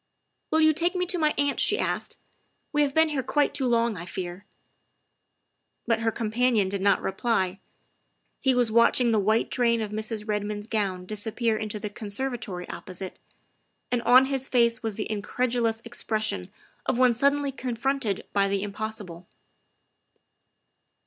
" Will you take me to my aunt?" she asked. " We have been here quite too long, I fear." But her companion did not reply. He was watching the white train of Mrs. Redmond's gown disappear into the conservatory opposite, and on his face was the in credulous expression of one suddenly confronted by the impossible.